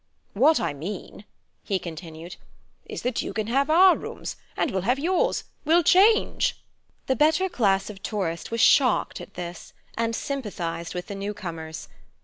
"What I mean," he continued, "is that you can have our rooms, and we'll have yours. We'll change." The better class of tourist was shocked at this, and sympathized with the new comers.